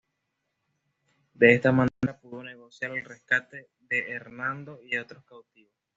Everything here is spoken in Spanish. De esta manera, pudo negociar el rescate de Hernando y de otros cautivos.